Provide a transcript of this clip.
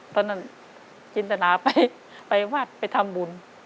ตอนนั้นจินตนาไปวัดไปทำบุญ